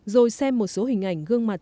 rồi xem một số hình ảnh gương mặt